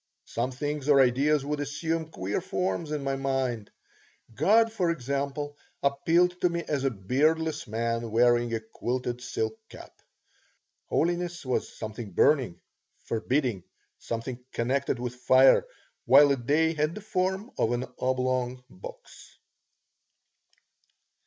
Some things or ideas would assume queer forms in my mind. God, for example, appealed to me as a beardless man wearing a quilted silk cap; holiness was something burning, forbidding, something connected with fire while a day had the form of an oblong box.